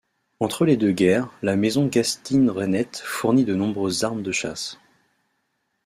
Entre les deux guerres, la Maison Gastinne Renette fournit de nombreuses armes de chasse.